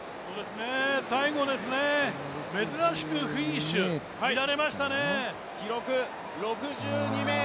最後、珍しくフィニッシュ、乱れましたね。